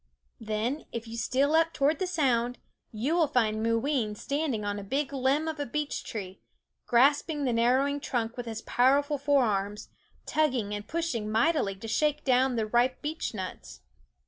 Then, if you steal up toward the sound, you will find Moo ween standing on a big limb of a beech tree, grasping the narrowing trunk with his powerful forearms, tugging and pushing mightily to shake down the ripe beechnuts.